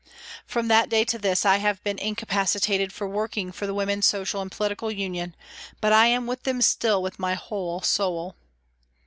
From that day to this I have been incapacited for working for the Women's Social and Political Union, but I am with them still with my whole soul.